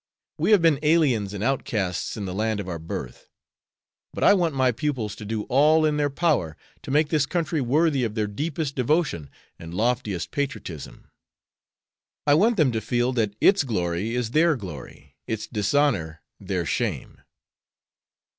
We have been aliens and outcasts in the land of our birth. But I want my pupils to do all in their power to make this country worthy of their deepest devotion and loftiest patriotism. I want them to feel that its glory is their glory, its dishonor their shame."